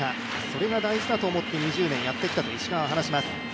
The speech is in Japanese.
それが大事だと思って２０年やってきたと石川は話します。